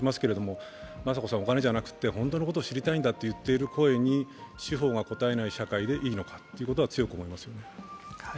雅子さんはお金じゃなくて本当のことを知りたいんだと訴えている声に司法が応えない社会でいいのかということは強く思いますよね。